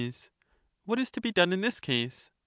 What is to be done in this case